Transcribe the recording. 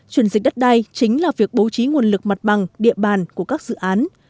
chuyển dịch đất đai chính là việc bố trí nguồn lực mặt bằng địa bàn của các dự án